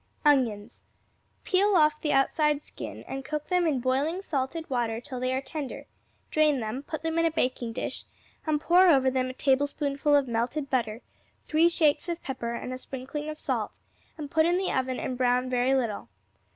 Onions Peel off the outside skin and cook them in boiling, salted water till they are tender; drain them, put them in a baking dish, and pour over them a tablespoonful of melted butter, three shakes of pepper, and a sprinkling of salt, and put in the oven and brown a very little.